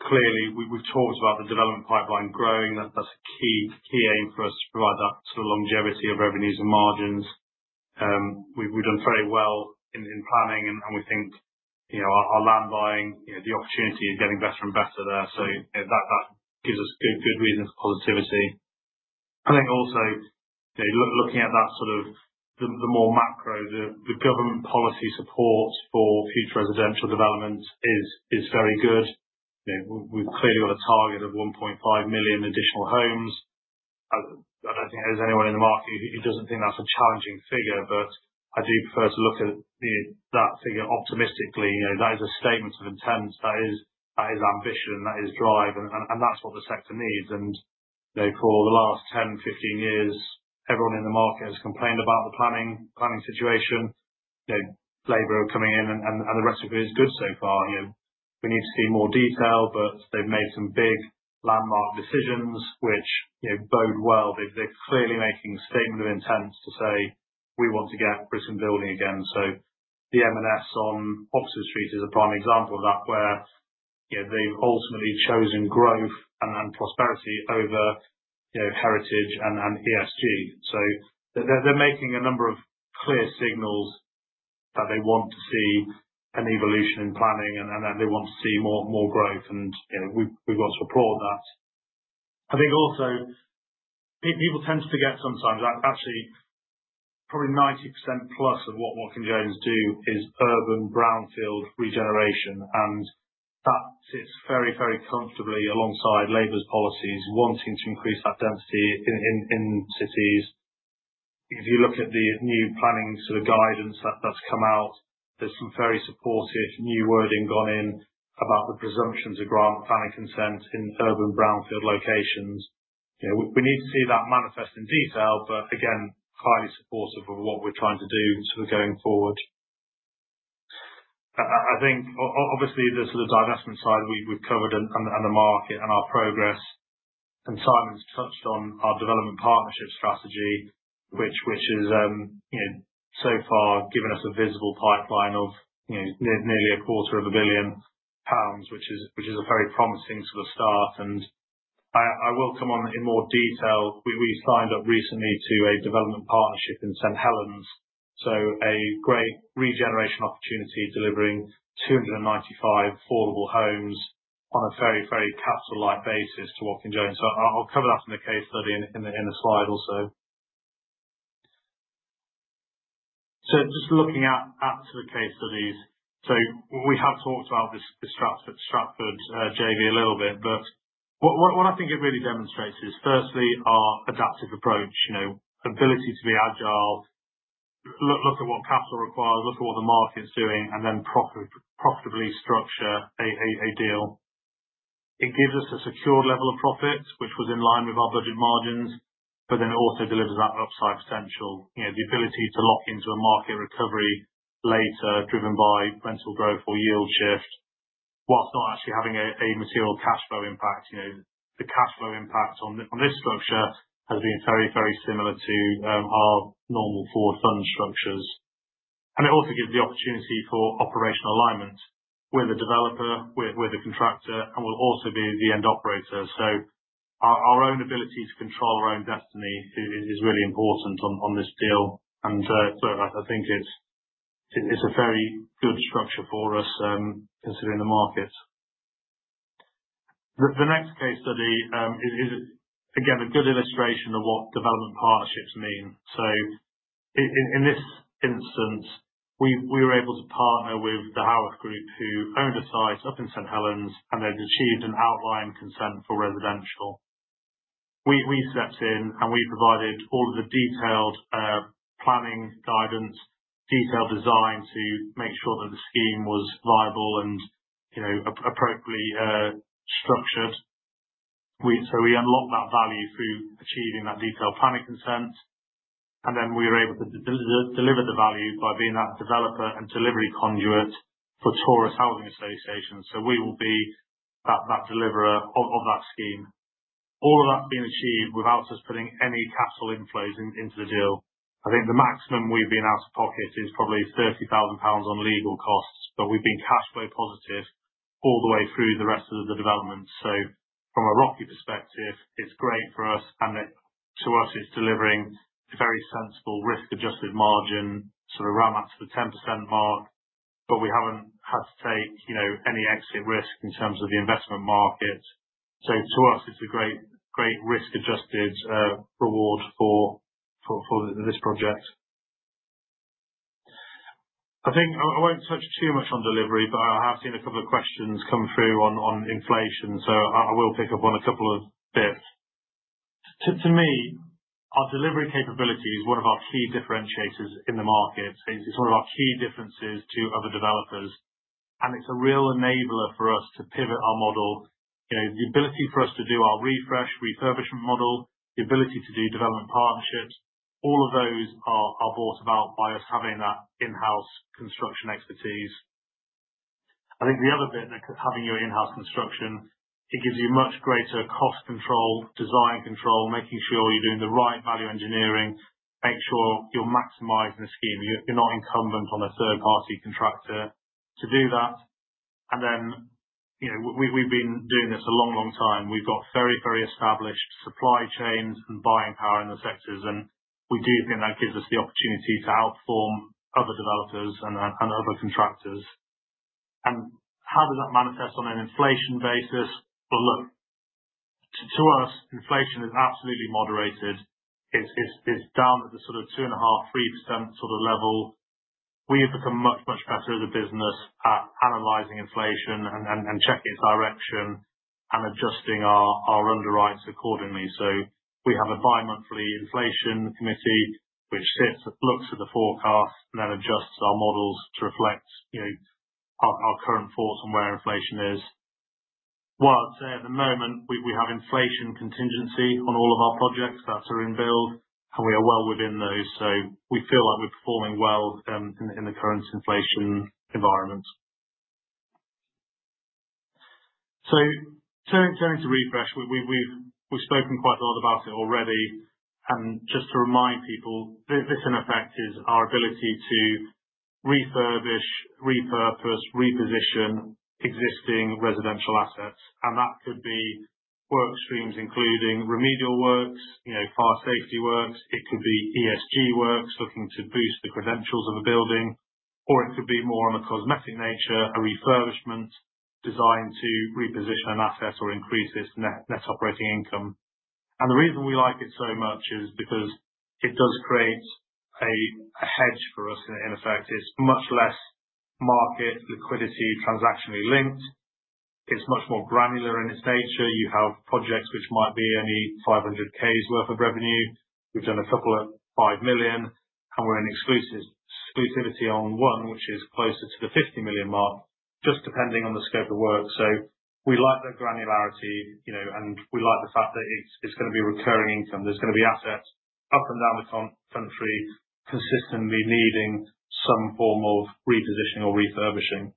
Clearly, we've talked about the development pipeline growing. That's a key aim for us to provide that sort of longevity of revenues and margins. We've done very well in planning, and we think our land buying, the opportunity is getting better and better there. So that gives us good reason for positivity. I think also, looking at that sort of the more macro, the government policy support for future residential development is very good. We've clearly got a target of 1.5 million additional homes. I don't think there's anyone in the market who doesn't think that's a challenging figure, but I do prefer to look at that figure optimistically. That is a statement of intent. That is ambition. That is drive, and that's what the sector needs, and for the last 10, 15 years, everyone in the market has complained about the planning situation. Labour are coming in, and the rest of it is good so far. We need to see more detail, but they've made some big landmark decisions, which bode well. They're clearly making a statement of intent to say, "We want to get Britain building again." The M&S on Oxford Street is a prime example of that, where they've ultimately chosen growth and prosperity over heritage and ESG. They're making a number of clear signals that they want to see an evolution in planning, and they want to see more growth, and we've got to applaud that. I think also, people tend to forget sometimes that actually probably 90% plus of what Watkin Jones do is urban brownfield regeneration, and that sits very, very comfortably alongside Labour's policies wanting to increase that density in cities. If you look at the new planning sort of guidance that's come out, there's some very supportive new wording gone in about the presumption to grant planning consent in urban brownfield locations. We need to see that manifest in detail, but again, highly supportive of what we're trying to do sort of going forward. I think, obviously, the sort of divestment side we've covered and the market and our progress. Simon's touched on our development partnership strategy, which has so far given us a visible pipeline of nearly 250 million pounds, which is a very promising sort of start. I will come on in more detail. We signed up recently to a development partnership in St Helens, so a great regeneration opportunity delivering 295 affordable homes on a very, very capital-like basis to Watkin Jones. So I'll cover that in the case study in the slide also. So just looking at the case studies, so we have talked about the Stratford JV a little bit, but what I think it really demonstrates is, firstly, our adaptive approach, ability to be agile, look at what capital requires, look at what the market's doing, and then profitably structure a deal. It gives us a secured level of profit, which was in line with our budget margins, but then it also delivers that upside potential, the ability to lock into a market recovery later driven by rental growth or yield shift, whilst not actually having a material cash flow impact. The cash flow impact on this structure has been very, very similar to our normal forward fund structures. And it also gives the opportunity for operational alignment with a developer, with a contractor, and will also be the end operator. So our own ability to control our own destiny is really important on this deal. And so I think it's a very good structure for us considering the markets. The next case study is, again, a good illustration of what development partnerships mean. So in this instance, we were able to partner with the Harworth Group, who owned a site up in St Helens, and they'd achieved an outline consent for residential. We stepped in, and we provided all of the detailed planning guidance, detailed design to make sure that the scheme was viable and appropriately structured. So we unlocked that value through achieving that detailed planning consent. And then we were able to deliver the value by being that developer and delivery conduit for Torus Housing Association. So we will be that deliverer of that scheme. All of that's been achieved without us putting any capital inflows into the deal. I think the maximum we've been out of pocket is probably 30,000 pounds on legal costs, but we've been cash flow positive all the way through the rest of the development. So from a ROCE perspective, it's great for us. And to us, it's delivering a very sensible risk-adjusted margin sort of right back to the 10% mark. But we haven't had to take any exit risk in terms of the investment market. So to us, it's a great risk-adjusted reward for this project. I think I won't touch too much on delivery, but I have seen a couple of questions come through on inflation. So I will pick up on a couple of bits. To me, our delivery capability is one of our key differentiators in the market. It's one of our key differences to other developers, and it's a real enabler for us to pivot our model. The ability for us to do our refresh, refurbishment model, the ability to do development partnerships, all of those are brought about by us having that in-house construction expertise. I think the other bit that having your in-house construction, it gives you much greater cost control, design control, making sure you're doing the right value engineering, make sure you're maximizing the scheme. You're not reliant on a third-party contractor to do that, and then we've been doing this a long, long time. We've got very, very established supply chains and buying power in the sectors, and we do think that gives us the opportunity to outperform other developers and other contractors. How does that manifest on an inflation basis? Look, to us, inflation is absolutely moderated. It's down at the sort of 2.5%-3% sort of level. We have become much, much better as a business at analyzing inflation and checking its direction and adjusting our underwrites accordingly. We have a bi-monthly inflation committee, which sits, looks at the forecast, and then adjusts our models to reflect our current thoughts on where inflation is. While I'd say at the moment, we have inflation contingency on all of our projects that are in build, and we are well within those. We feel like we're performing well in the current inflation environment. Turning to Refresh, we've spoken quite a lot about it already. Just to remind people, this in effect is our ability to refurbish, repurpose, reposition existing residential assets. And that could be work streams, including remedial works, fire safety works. It could be ESG works looking to boost the credentials of a building. Or it could be more on a cosmetic nature, a refurbishment designed to reposition an asset or increase its net operating income. And the reason we like it so much is because it does create a hedge for us in effect. It's much less market liquidity transactionally linked. It's much more granular in its nature. You have projects which might be only GBP 500,000s worth of revenue. We've done a couple of 5 million, and we're in exclusivity on one, which is closer to the 50 million mark, just depending on the scope of work. So we like that granularity, and we like the fact that it's going to be recurring income. There's going to be assets up and down the country consistently needing some form of repositioning or refurbishing.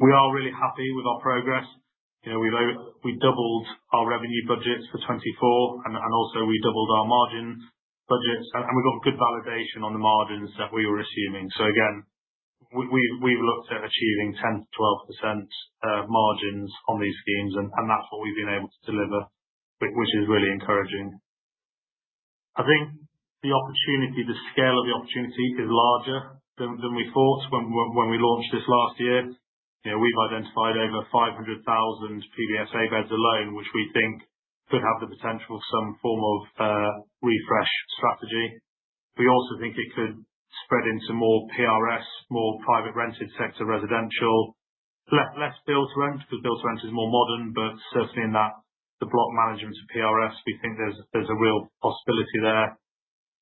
We are really happy with our progress. We doubled our revenue budgets for 2024, and also we doubled our margin budgets. And we got good validation on the margins that we were assuming. So again, we've looked at achieving 10%-12% margins on these schemes, and that's what we've been able to deliver, which is really encouraging. I think the opportunity, the scale of the opportunity is larger than we thought when we launched this last year. We've identified over 500,000 PBSA beds alone, which we think could have the potential for some form of refresh strategy. We also think it could spread into more PRS, more private rented sector residential, less build-to-rent because build-to-rent is more modern, but certainly in the block management of PRS, we think there's a real possibility there,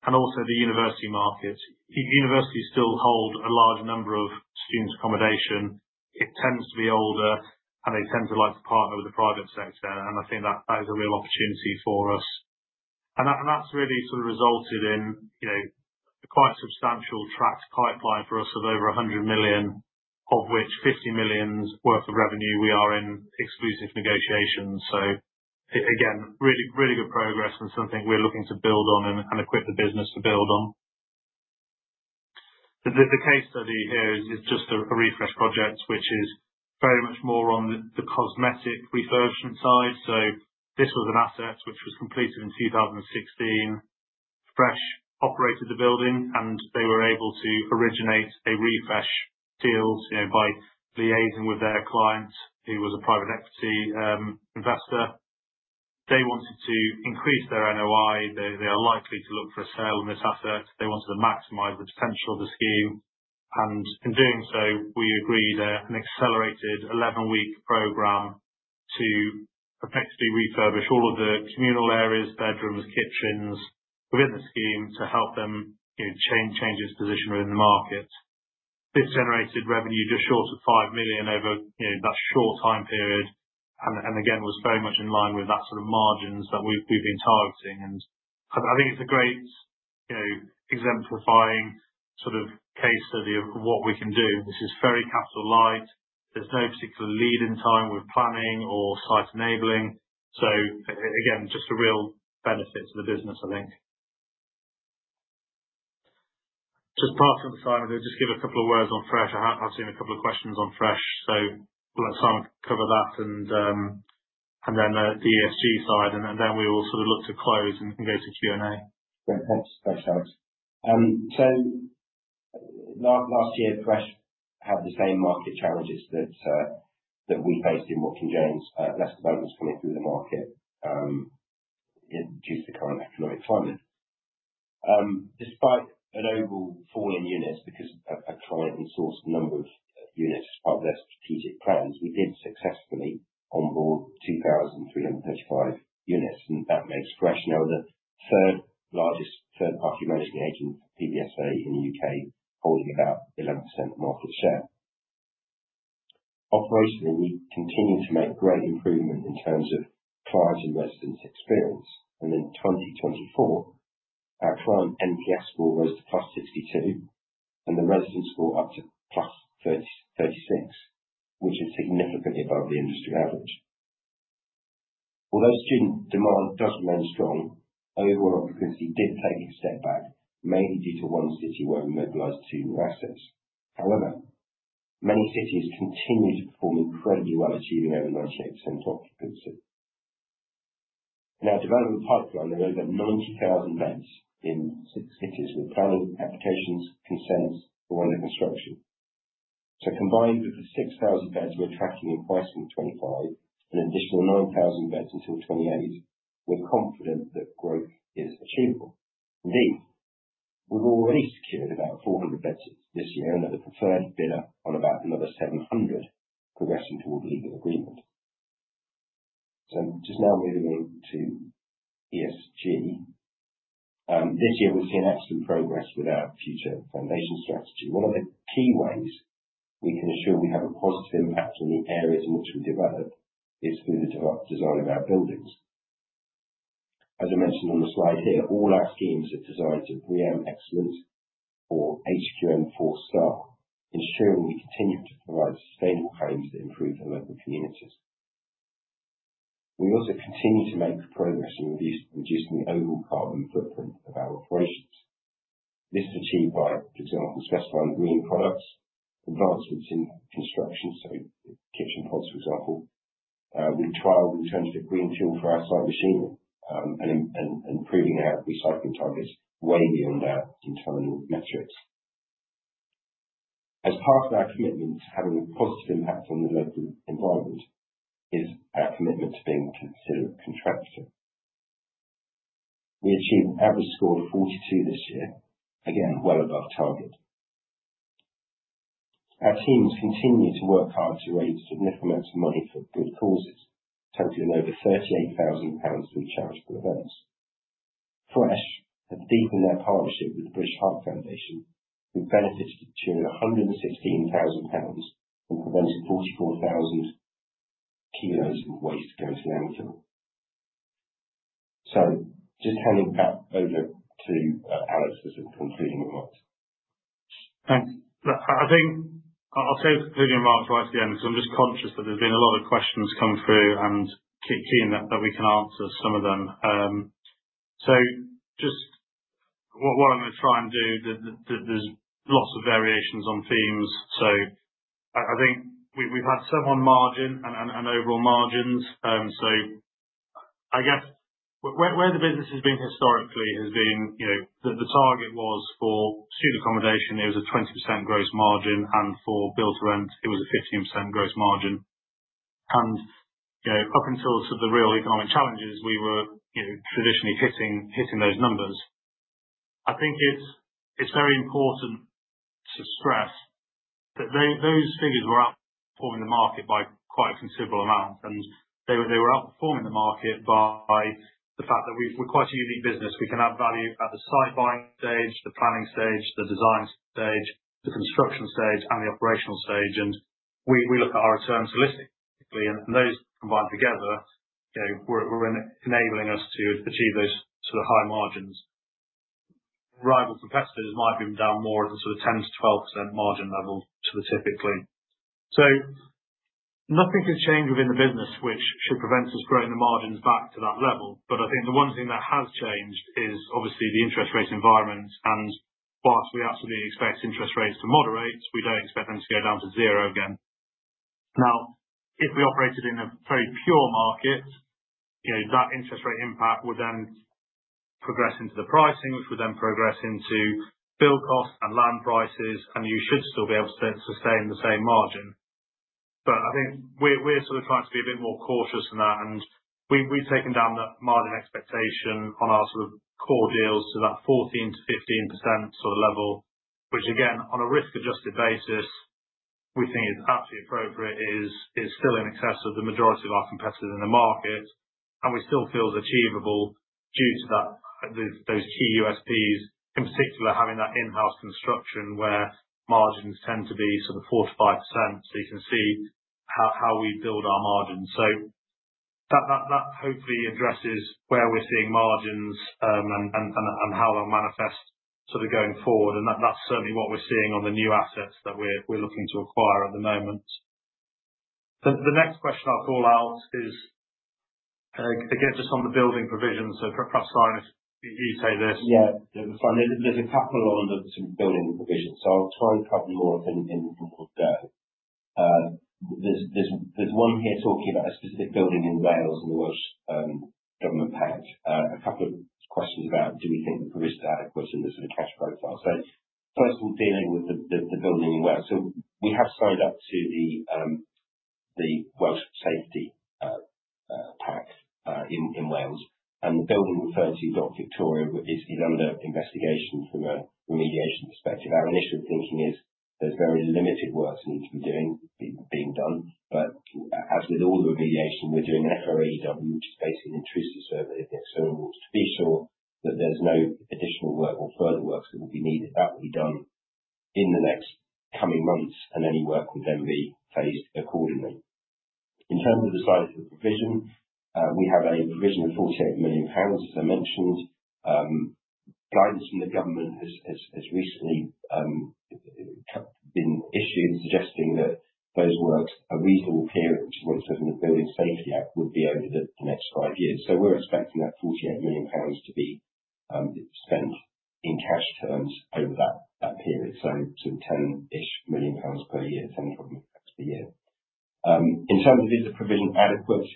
and also the university markets. Universities still hold a large number of student accommodation. It tends to be older, and they tend to like to partner with the private sector, and I think that is a real opportunity for us, and that's really sort of resulted in a quite substantial tracked pipeline for us of over 100 million, of which 50 million's worth of revenue we are in exclusive negotiations, so again, really good progress and something we're looking to build on and equip the business to build on. The case study here is just a refresh project, which is very much more on the cosmetic refurbishment side. This was an asset which was completed in 2016. Fresh operated the building, and they were able to originate a Refresh deal by liaising with their client, who was a private equity investor. They wanted to increase their NOI. They are likely to look for a sale on this asset. They wanted to maximize the potential of the scheme. In doing so, we agreed an accelerated 11-week program to effectively refurbish all of the communal areas, bedrooms, kitchens within the scheme to help them change its position within the market. This generated revenue just short of 5 million over that short time period. Again, was very much in line with that sort of margins that we've been targeting. I think it's a great exemplifying sort of case study of what we can do. This is very capital light. There's no particular lead in time with planning or site enabling. So again, just a real benefit to the business, I think. Just passing on to Simon, just give a couple of words on Fresh. I've seen a couple of questions on Fresh. So Simon will cover that and then the ESG side. And then we will sort of look to close and go to Q&A. Thanks, Alex. So last year, Fresh had the same market challenges that we faced in Watkin Jones, less developments coming through the market due to the current economic climate. Despite an overall fall in units because a client had sourced a number of units as part of their strategic plans, we did successfully onboard 2,335 units. And that makes Fresh now the third largest third-party management agent for PBSA in the U.K., holding about 11% market share. Operationally, we continue to make great improvement in terms of clients and residents' experience. In 2024, our client NPS score rose to +62, and the residents score up to +36, which is significantly above the industry average. Although student demand does remain strong, overall occupancy did take a step back, mainly due to one city where we mobilized two new assets. However, many cities continue to perform incredibly well, achieving over 98% occupancy. In our development pipeline, there are over 90,000 beds in six cities with planning, applications, consents, and under construction. Combined with the 6,000 beds we're tracking in 2025 and an additional 9,000 beds until 2028, we're confident that growth is achievable. Indeed, we've already secured about 400 beds this year and we're the preferred bidder on about another 700, progressing towards legal agreement. Just now moving on to ESG. This year, we've seen excellent progress with our Future Foundations strategy. One of the key ways we can ensure we have a positive impact on the areas in which we develop is through the design of our buildings. As I mentioned on the slide here, all our schemes are designed to BREEAM excellence or HQM four-star, ensuring we continue to provide sustainable homes that improve the local communities. We also continue to make progress in reducing the overall carbon footprint of our operations. This is achieved by, for example, specifying green products, advancements in construction, so kitchen pods, for example. We trialed alternative green fuel for our site machining and proving our recycling targets way beyond our internal metrics. As part of our commitment to having a positive impact on the local environment is our commitment to being a considerate contractor. We achieved an average score of 42 this year, again, well above target. Our teams continue to work hard to raise significant amounts of money for good causes, totaling over 38,000 pounds for each charitable event. Fresh has deepened their partnership with the British Heart Foundation, who benefited during 116,000 pounds and prevented 44,000 kilos of waste going to landfill. So just handing back over to Alex for some concluding remarks. Thanks. I think I'll take the concluding remarks right at the end because I'm just conscious that there's been a lot of questions come through and keen that we can answer some of them. So just what I'm going to try and do, there's lots of variations on themes. So I think we've had some on margin and overall margins. I guess where the business has been historically has been the target was for student accommodation; it was a 20% gross margin, and for built-to-rent, it was a 15% gross margin. Up until sort of the real economic challenges, we were traditionally hitting those numbers. I think it's very important to stress that those figures were outperforming the market by quite a considerable amount. They were outperforming the market by the fact that we're quite a unique business. We can add value at the site buying stage, the planning stage, the design stage, the construction stage, and the operational stage. We look at our returns holistically. Those combined together are enabling us to achieve those sort of high margins. Rival competitors might be down more at the sort of 10%-12% margin level sort of typically. So nothing can change within the business, which should prevent us from growing the margins back to that level. But I think the one thing that has changed is obviously the interest rate environment. And whilst we absolutely expect interest rates to moderate, we don't expect them to go down to zero again. Now, if we operated in a very pure market, that interest rate impact would then progress into the pricing, which would then progress into build costs and land prices, and you should still be able to sustain the same margin. But I think we're sort of trying to be a bit more cautious than that. We've taken down that margin expectation on our sort of core deals to that 14%-15% sort of level, which again, on a risk-adjusted basis, we think is absolutely appropriate, is still in excess of the majority of our competitors in the market. We still feel it's achievable due to those key USPs, in particular having that in-house construction where margins tend to be sort of 4%-5%. You can see how we build our margins. That hopefully addresses where we're seeing margins and how they'll manifest sort of going forward. That's certainly what we're seeing on the new assets that we're looking to acquire at the moment. The next question I'll call out is, again, just on the building provision. So perhaps, Simon, if you take this. Yeah, fine. There's a couple on the sort of building provisions. I'll try and cover more of them in more detail. There's one here talking about a specific building in Wales and the Welsh Safety Pact. A couple of questions about, do we think the provision is adequate in the sort of cash profile? First, we're dealing with the building in Wales. We have signed up to the Welsh Safety Pact in Wales. The building referred to, Victoria Dock, is under investigation from a remediation perspective. Our initial thinking is there's very limited work that needs to be done. But as with all the remediation, we're doing an FRAEW, which is basically an intrusive survey of the external walls to be sure that there's no additional work or further works that will be needed. That will be done in the next coming months, and any work will then be phased accordingly. In terms of the size of the provision, we have a provision of 48 million pounds, as I mentioned. Guidance from the government has recently been issued suggesting that those works, a reasonable period, which is what it says in the Building Safety Act, would be over the next five years. So we're expecting that 48 million pounds to be spent in cash terms over that period. So sort of 10-ish million pounds per year, 10 million pounds per year. In terms of is the provision adequate,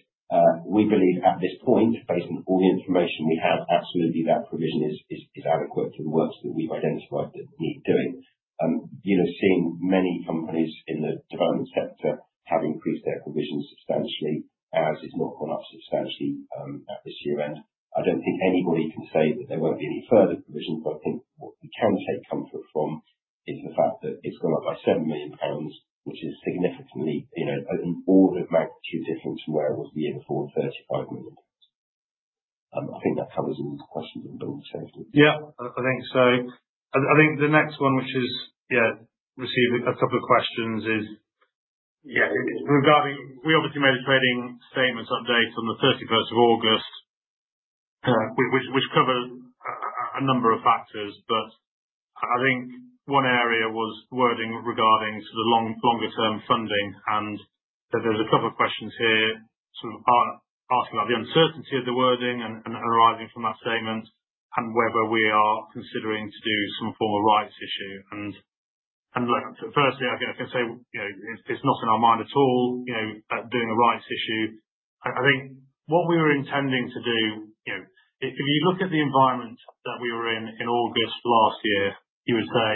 we believe at this point, based on all the information we have, absolutely that provision is adequate for the works that we've identified that need doing. Seeing many companies in the development sector have increased their provisions substantially, as it's not gone up substantially at this year's end. I don't think anybody can say that there won't be any further provisions. But I think what we can take comfort from is the fact that it's gone up by 7 million pounds, which is significantly an order of magnitude different from where it was the year before, 35 million pounds. I think that covers all the questions on building safety. Yeah, I think so. I think the next one, which has received a couple of questions, is regarding we obviously made a trading statement update on the 31st of August, which covered a number of factors. But I think one area was wording regarding sort of longer-term funding. And there's a couple of questions here sort of asking about the uncertainty of the wording and arising from that statement and whether we are considering to do some form of rights issue. And firstly, I can say it's not in our mind at all doing a rights issue. I think what we were intending to do, if you look at the environment that we were in in August last year, you would say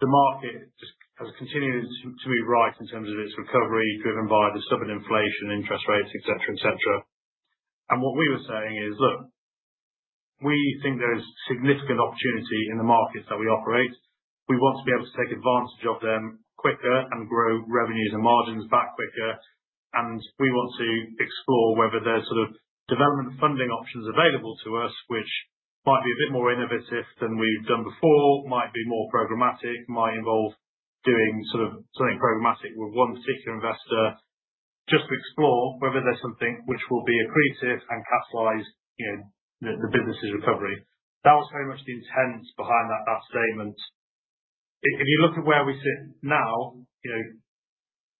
the market just has continued to move right in terms of its recovery driven by the stubborn inflation, interest rates, etc., etc. And what we were saying is, look, we think there is significant opportunity in the markets that we operate. We want to be able to take advantage of them quicker and grow revenues and margins back quicker. And we want to explore whether there's sort of development funding options available to us, which might be a bit more innovative than we've done before, might be more programmatic, might involve doing sort of something programmatic with one particular investor just to explore whether there's something which will be accretive and catalyze the business's recovery. That was very much the intent behind that statement. If you look at where we sit now,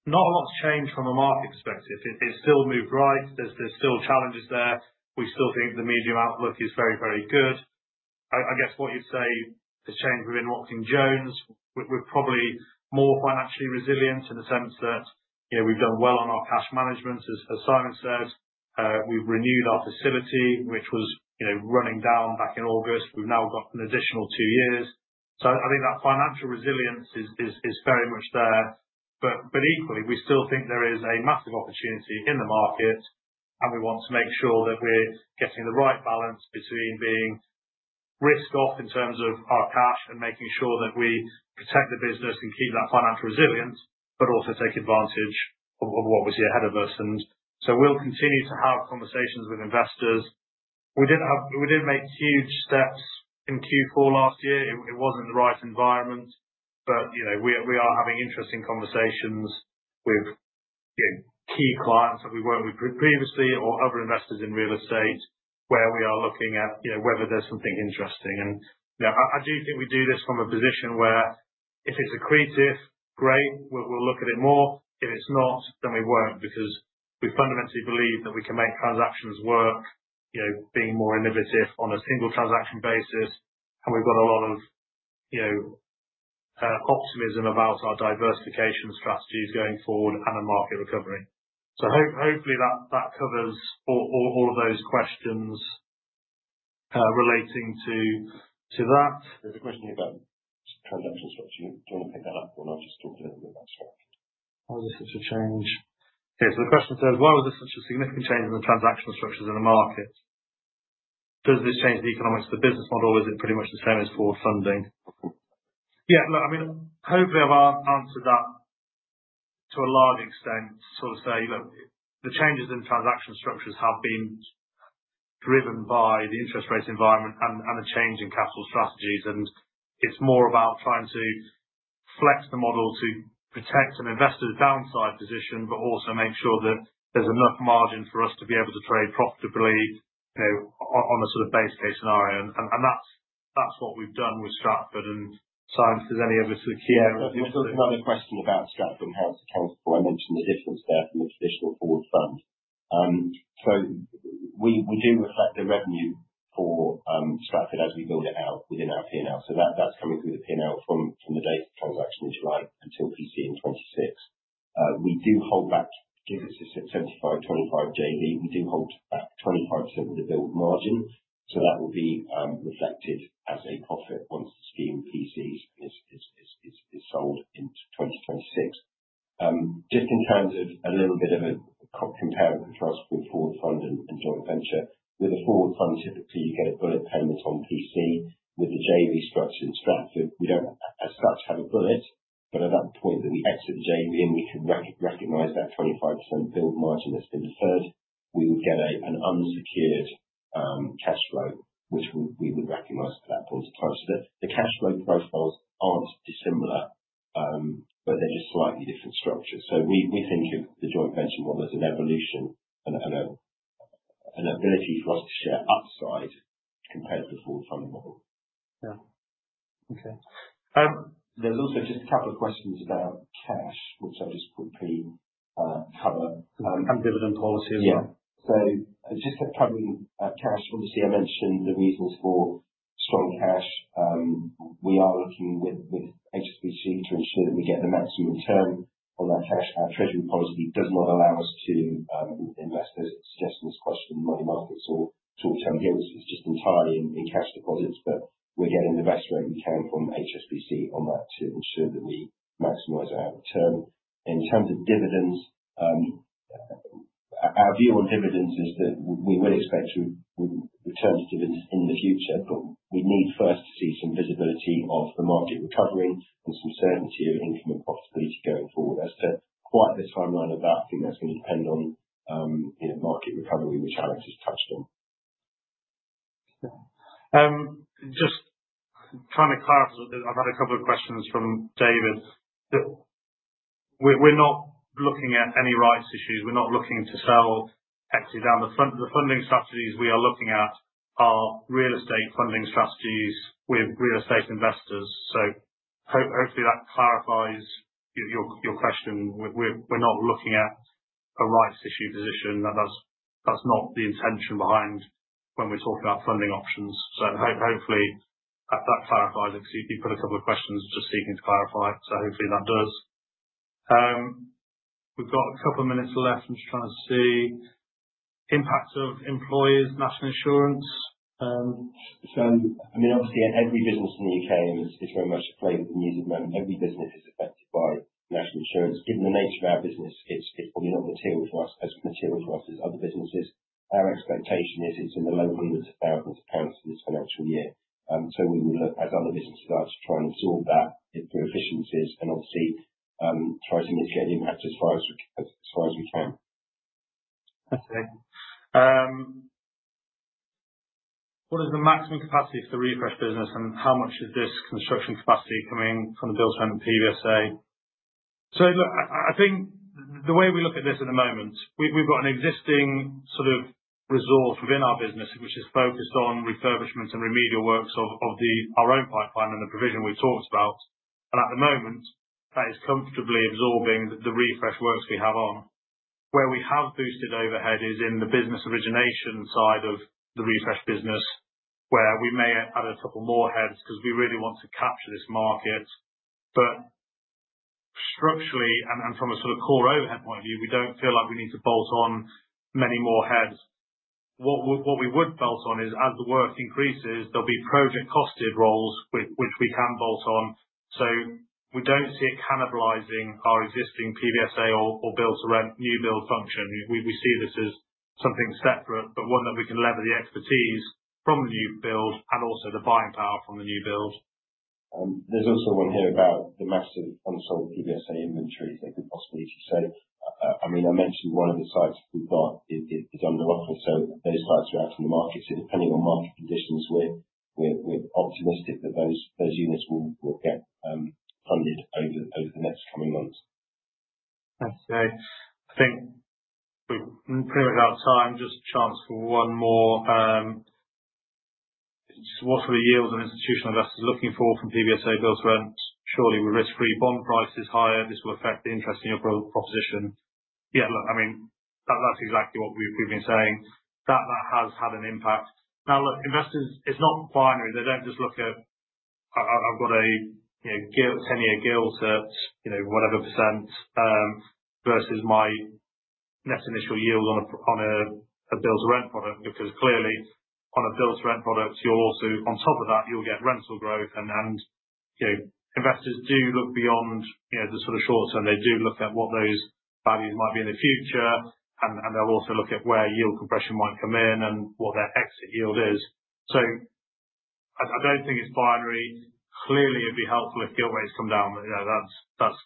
not a lot's changed from a market perspective. It's still moved right. There's still challenges there. We still think the medium outlook is very, very good. I guess what you'd say has changed within Watkin Jones. We're probably more financially resilient in the sense that we've done well on our cash management, as Simon said. We've renewed our facility, which was running down back in August. We've now got an additional two years. So I think that financial resilience is very much there. But equally, we still think there is a massive opportunity in the market, and we want to make sure that we're getting the right balance between being risk-off in terms of our cash and making sure that we protect the business and keep that financial resilience, but also take advantage of what we see ahead of us. And so we'll continue to have conversations with investors. We did make huge steps in Q4 last year. It wasn't the right environment. But we are having interesting conversations with key clients that we weren't with previously or other investors in real estate where we are looking at whether there's something interesting. And I do think we do this from a position where if it's accretive, great, we'll look at it more. If it's not, then we won't because we fundamentally believe that we can make transactions work, being more innovative on a single transaction basis. And we've got a lot of optimism about our diversification strategies going forward and a market recovery. So hopefully that covers all of those questions relating to that. There's a question about transaction structures. Do you want to pick that up, or I'll just talk a little bit about structure? How is this a change? Okay. So the question says, why was there such a significant change in the transaction structures in the market? Does this change the economics of the business model, or is it pretty much the same as for funding? Yeah, look, I mean, hopefully I've answered that to a large extent, sort of say, look, the changes in transaction structures have been driven by the interest rate environment and the change in capital strategies. And it's more about trying to flex the model to protect an investor's downside position, but also make sure that there's enough margin for us to be able to trade profitably on a sort of base case scenario. And that's what we've done with Stratford. And Simon, if there's any other sort of key areas? There was another question about Stratford and how it's accountable. I mentioned the difference there from a traditional forward fund. So we do reflect the revenue for Stratford as we build it out within our P&L. So that's coming through the P&L from the date of transaction in July until PC in 2026. We do hold back, given it's a 75/25 JV, we do hold back 25% of the build margin. So that will be reflected as a profit once the scheme PC's is sold in 2026. Just in terms of a little bit of a comparison for a forward fund and joint venture, with a forward fund, typically you get a bullet payment on PC. With the JV structure in Stratford, we don't as such have a bullet. But at that point that we exit the JV, and we can recognize that 25% build margin that's been deferred, we would get an unsecured cash flow, which we would recognize at that point in time. So the cash flow profiles aren't dissimilar, but they're just slightly different structures. So we think of the joint venture model as an evolution and an ability for us to share upside compared to the forward fund model. Yeah. Okay. There's also just a couple of questions about cash, which I'll just quickly cover. And dividend policy as well. Yeah. So just covering cash, obviously, I mentioned the reasons for strong cash. We are looking with HSBC to ensure that we get the maximum return on that cash. Our Treasury policy does not allow us to invest as suggested in this question, money markets or short-term yields. It's just entirely in cash deposits. But we're getting the best rate we can from HSBC on that to ensure that we maximize our return. In terms of dividends, our view on dividends is that we would expect to return to dividends in the future, but we need first to see some visibility of the market recovering and some certainty of income and profitability going forward. As to quite the timeline of that, I think that's going to depend on market recovery, which Alex has touched on. Just trying to clarify, I've had a couple of questions from David. We're not looking at any rights issues. We're not looking to sell equity down the front. The funding strategies we are looking at are real estate funding strategies with real estate investors. So hopefully that clarifies your question. We're not looking at a rights issue position. That's not the intention behind when we're talking about funding options. So hopefully that clarifies it because you've put a couple of questions just seeking to clarify. So hopefully that does. We've got a couple of minutes left. I'm just trying to see. Impact of employees, national insurance. So, I mean, obviously, every business in the U.K. is very much afraid of the news at the moment. Every business is affected by national insurance. Given the nature of our business, it's probably not material for us. As material for us is other businesses. Our expectation is it's in the low hundreds of thousands of pounds in this financial year. So we will look, as other businesses are, to try and absorb that through efficiencies and obviously try to mitigate the impact as far as we can. Okay. What is the maximum capacity for the Refresh business, and how much is this construction capacity coming from the build-to-rent PBSA? So, look, I think the way we look at this at the moment, we've got an existing sort of resource within our business, which is focused on refurbishment and remedial works of our own pipeline and the provision we've talked about. And at the moment, that is comfortably absorbing the Refresh works we have on. Where we have boosted overhead is in the business origination side of the Refresh business, where we may add a couple more heads because we really want to capture this market. But structurally, and from a sort of core overhead point of view, we don't feel like we need to bolt on many more heads. What we would bolt on is, as the work increases, there'll be project-costed roles which we can bolt on. So we don't see it cannibalizing our existing PBSA or build-to-rent new build function. We see this as something separate, but one that we can leverage the expertise from the new build and also the buying power from the new build. There's also one here about the massive unsold PBSA inventories that could possibly. So, I mean, I mentioned one of the sites we've got is under offer. So those sites are out in the market. So depending on market conditions, we're optimistic that those units will get funded over the next coming months. Okay. I think we're pretty much out of time. Just a chance for one more. What are the yields on institutional investors looking for from PBSA build-to-rent? Surely, with risk-free bond prices higher, this will affect the interest in your proposition. Yeah, look, I mean, that's exactly what we've been saying. That has had an impact. Now, look, investors, it's not binary. They don't just look at, "I've got a 10-year gilt at whatever % versus my net initial yield on a build-to-rent product," because clearly, on a build-to-rent product, on top of that, you'll get rental growth. And investors do look beyond the sort of short-term. They do look at what those values might be in the future. And they'll also look at where yield compression might come in and what their exit yield is. So I don't think it's binary. Clearly, it'd be helpful if gilt rates come down. That's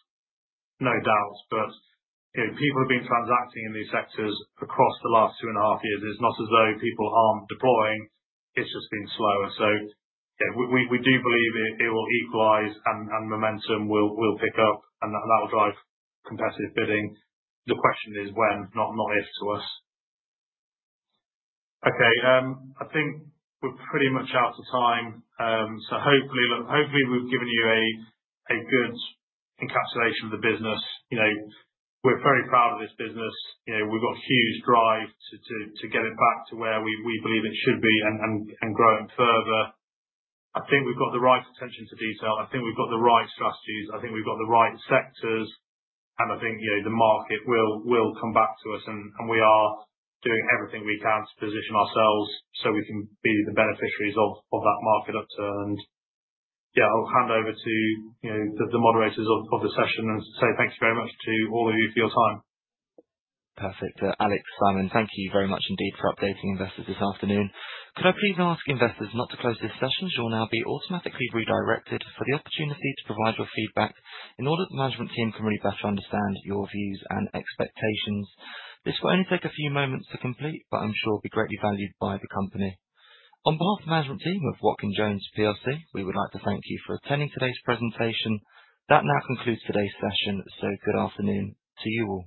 no doubt. But people have been transacting in these sectors across the last two and a half years. It's not as though people aren't deploying. It's just been slower. So we do believe it will equalize, and momentum will pick up, and that will drive competitive bidding. The question is when, not if, to us. Okay. I think we're pretty much out of time. So hopefully, look, hopefully, we've given you a good encapsulation of the business. We're very proud of this business. We've got a huge drive to get it back to where we believe it should be and grow it further. I think we've got the right attention to detail. I think we've got the right strategies. I think we've got the right sectors. And I think the market will come back to us. And we are doing everything we can to position ourselves so we can be the beneficiaries of that market upturn. And yeah, I'll hand over to the moderators of the session and say thank you very much to all of you for your time. Perfect. Alex, Simon, thank you very much indeed for updating investors this afternoon. Could I please ask investors not to close this session? You'll now be automatically redirected for the opportunity to provide your feedback in order the management team can really better understand your views and expectations. This will only take a few moments to complete, but I'm sure it'll be greatly valued by the company. On behalf of the management team of Watkin Jones PLC, we would like to thank you for attending today's presentation. That now concludes today's session. So good afternoon to you all.